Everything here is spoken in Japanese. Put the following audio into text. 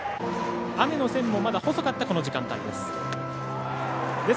雨の線もまだ細かったこの時間帯です。